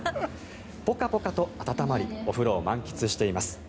ポカポカと温まりお風呂を満喫しています。